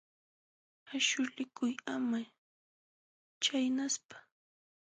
Aśhulikuy ama chaynaspa.